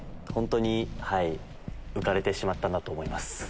本当に浮かれてしまったんだと思います。